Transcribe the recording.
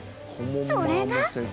それが